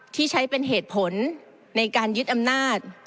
ที่ใช้เป็นเหตุผลในการยึดอำนาจ